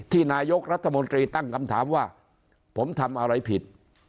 นายกรัฐมนตรีตั้งคำถามว่าผมทำอะไรผิด